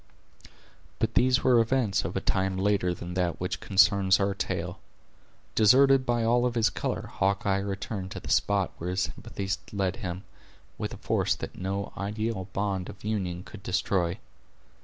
But these were events of a time later than that which concerns our tale. Deserted by all of his color, Hawkeye returned to the spot where his sympathies led him, with a force that no ideal bond of union could destroy.